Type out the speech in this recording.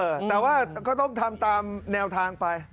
แต่ว่าก็ต้องทำตามแนวทางไป